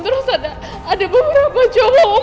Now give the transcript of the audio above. terus ada beberapa cowok owok berkosa clara pak